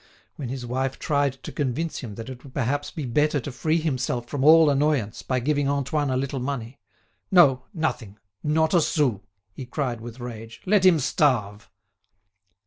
When his wife tried to convince him that it would perhaps be better to free himself from all annoyance by giving Antoine a little money: "No, nothing; not a sou," he cried with rage. "Let him starve!"